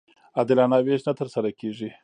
عادلانه وېش نه ترسره کېږي.